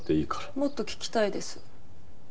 もっと聞きたいです。